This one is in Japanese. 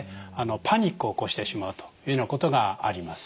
パニックを起こしてしまうというようなことがあります。